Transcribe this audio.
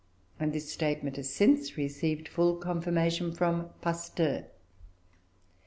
And this statement has since received full confirmation from Pasteur.